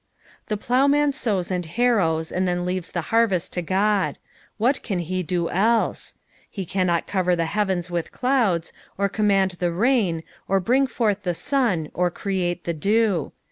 The ploughman sows and harrows, and then leaves the harvest to God. What can he do else ? He cannot cover the heavens with clouds, or command the lain, or bring forth the suo or create the dew.